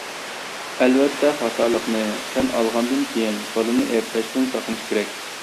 ئەلۋەتتە، خاتالىقىنى تەن ئالغاندىن كېيىن بالىنى ئەيىبلەشتىن ساقلىنىش كېرەك.